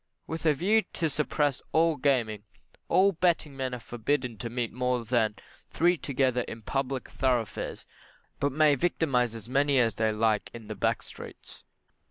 With a view to suppressing all gaming, all betting men are forbidden to meet more than three together in public thoroughfares, but may victimise as many as they like in the back streets.